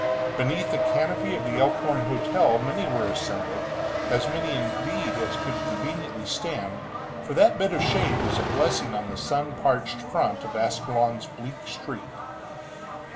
Beneath the canopy of the Elkhorn hotel many were assembled, as many indeed, as could conveniently stand, for that bit of shade was a blessing on the sun parched front of Ascalon's bleak street.